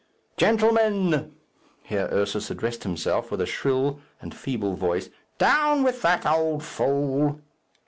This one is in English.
Gentlemen." Here Ursus addressed himself with a shrill and feeble voice, "Down with that old fool!"